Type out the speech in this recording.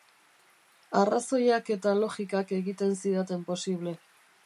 Arrazoiak eta logikak egiten zidaten posible.